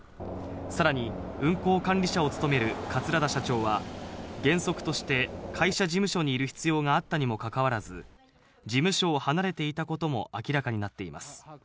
さらに、運航管理者を務める桂田社長は、原則として会社事務所にいる必要があったにもかかわらず、事務所を離れていたことも明らかになっています。